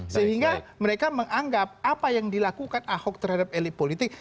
sehingga mereka menganggap apa yang dilakukan ahok terhadap elit politik